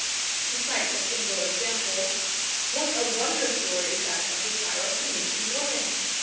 To cite a single example, what a wonder story is that of the Syro Phoenician woman!